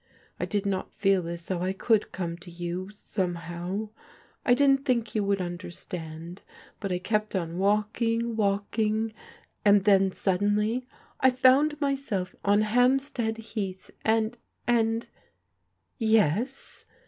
I did not feel as though I could come to you, some how. I didn't think you would understand; but I kept on walking, walking, and then suddenly I found myself on Hampstead Heath, and — and Yes?"